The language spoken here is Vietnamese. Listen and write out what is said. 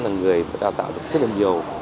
là người đào tạo rất là nhiều